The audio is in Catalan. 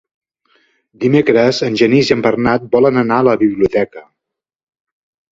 Dimecres en Genís i en Bernat volen anar a la biblioteca.